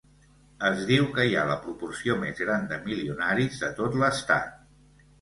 Es diu que hi ha la proporció més gran de milionaris de tot l'estat.